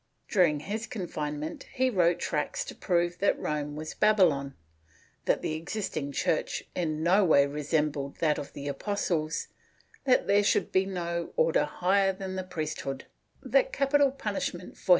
During his confinement he wrote tracts to prove that Rome was Babylon, that the existing Church in no way resembled that of the Apostles, that there should be no Order higher than the priesthood, that capital punishment for heresy * Archive de Simancas, Inq.